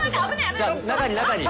じゃ中に中に。